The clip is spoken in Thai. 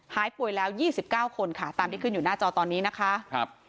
หายป่วยแล้ว๒๙คนค่ะตามที่ขึ้นอยู่หน้าจอตอนนี้นะคะ